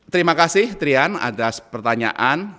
terima kasih trian atas pertanyaan